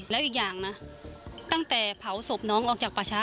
แล้วอีกอย่างนะตั้งแต่เผาศพน้องออกจากป่าช้า